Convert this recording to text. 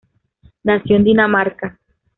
Nació en Dinamarca.